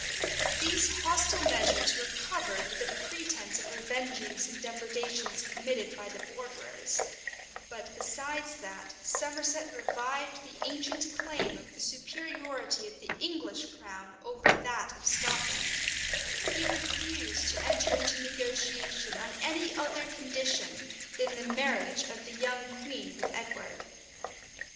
These hostile measures were covered with a pretence of revenging some depredations committed by the borderers: but besides that Somerset revived the ancient claim of the superiority of the English crown over that of Scotland, he refused to enter into negotiation on any other condition than the marriage of the young queen with Edward.